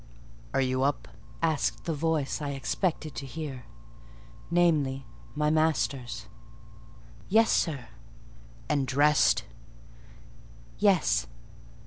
"Are you up?" asked the voice I expected to hear, viz., my master's. "Yes, sir." "And dressed?" "Yes."